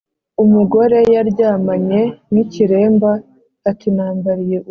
umugore yaryamanye n’ikiremba ati nambariye ubusa